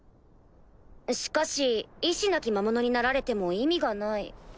しかし意思なき魔物になられても意味がない。